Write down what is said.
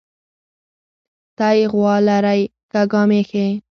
تى غوا لرى كه ګامېښې؟